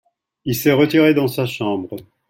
il s'est retiré dans sa chambre.